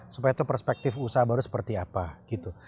supaya itu perspektif usaha baru seperti apa gitu